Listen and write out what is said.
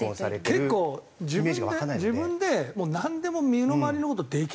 結構自分で自分でなんでも身の回りの事できるんですよ彼は。